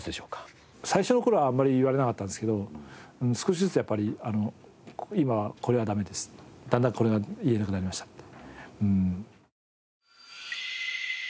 最初の頃はあんまり言われなかったんですけど少しずつやっぱり今はこれはダメですだんだんこれが言えなくなりましたって。